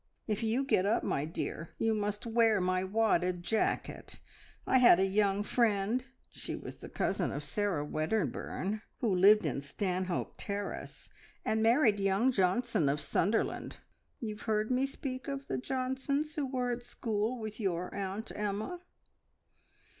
If you get up, my dear, you must wear my wadded jacket. I had a young friend she was the cousin of Sarah Wedderburn, who lived in Stanhope Terrace, and married young Johnson of Sunderland. You have heard me speak of the Johnsons, who were at school with your Aunt Emma?"